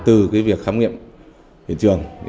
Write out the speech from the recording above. từ việc khám nghiệm hiện trường